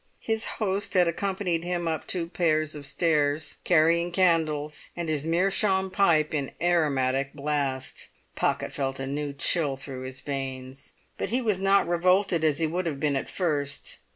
His host had accompanied him up two pairs of stairs, carrying candles, and his meerschaum pipe in aromatic blast. Pocket felt a new chill through his veins, but he was not revolted as he would have been at first.